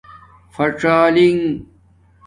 پحھاڅلنݣہ